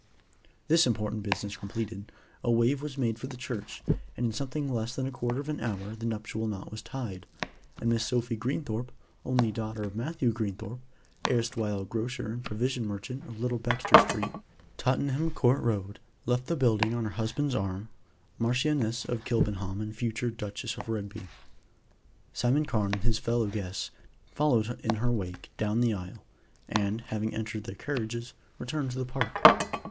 This important business completed, a move was made for the church; and in something less than a quarter of an hour the nuptial knot was tied, and Miss Sophie Greenthorpe, only daughter of Matthew Greenthorpe, erstwhile grocer and provision merchant of Little Bexter Street, Tottenham Court Road, left the building, on her husband's arm, Marchioness of Kilbenham and future Duchess of Rugby. Simon Carne and his fellow guests followed in her wake down the aisle, and, having entered their carriages, returned to the Park.